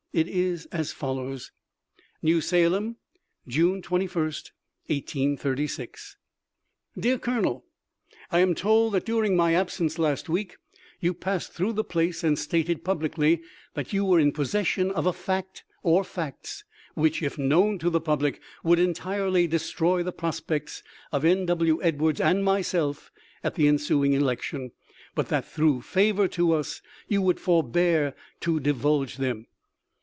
* It is as follows : "New Salem, June 21, 1836. " Dear Colonel: " I am told that during my absence last week you passed through the place and stated publicly that you were in possession of a fact or facts, which if known to the public would entirely destroy the prospects of N. W. Edwards and myself at the ensuing election, but that through favor to us you would forbear to divulge them.